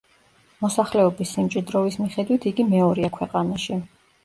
მოსახლეობის სიმჭიდროვის მიხედვით იგი მეორეა ქვეყანაში.